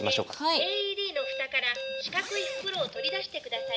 「ＡＥＤの蓋から四角い袋を取り出して下さい。